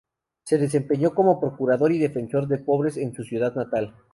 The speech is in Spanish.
Se desempeñó como procurador y Defensor de Pobres en su ciudad natal.